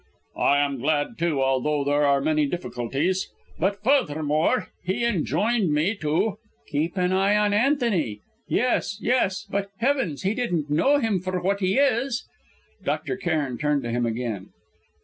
"I am glad, too, although there are many difficulties. But, furthermore, he enjoined me to " "Keep an eye on Antony! Yes, yes but, heavens! he didn't know him for what he is!" Dr. Cairn turned to him again.